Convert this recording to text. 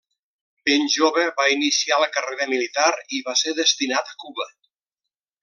Ben jove va iniciar la carrera militar i va ser destinat a Cuba.